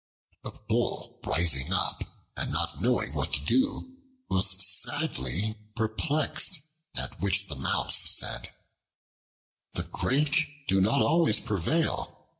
The Bull rising up, and not knowing what to do, was sadly perplexed. At which the Mouse said, "The great do not always prevail.